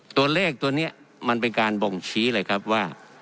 ตัวเลขตัวนี้มันเป็นการบ่งชี้เลยครับว่า